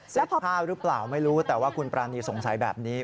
ผ้าหรือเปล่าไม่รู้แต่ว่าคุณปรานีสงสัยแบบนี้